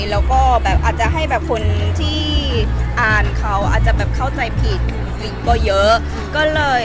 และก็อาจจะให้คุณที่อ่านเขาเข้าใจผิดก็เยอะ